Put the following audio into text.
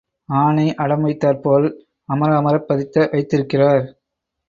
ஆனை அடம் வைத்தாற்போல் அமர அமரப் பதித்த வைத்திருக்கிறார்.